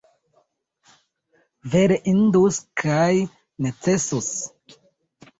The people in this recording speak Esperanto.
Vere indus kaj necesus!